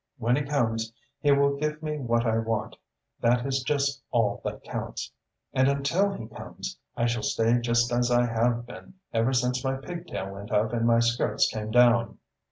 When he comes, he will give me what I want that is just all that counts. And until he comes, I shall stay just as I have been ever since my pigtail went up and my skirts came down."